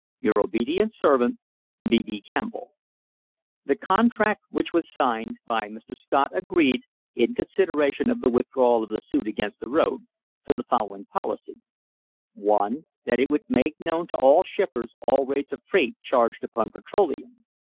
Your obedient servant, B. B. Campbell." The contract with the Pennsylvania which was signed by Mr. Scott agreed, in consideration of the withdrawal of the suit against the road, to the following policy: 1. That it would make known to all shippers all rates of freight charged upon petroleum.